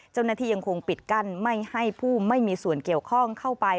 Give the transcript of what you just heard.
ยังคงปิดกั้นไม่ให้ผู้ไม่มีส่วนเกี่ยวข้องเข้าไป